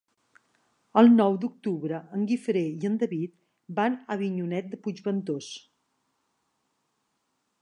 El nou d'octubre en Guifré i en David van a Avinyonet de Puigventós.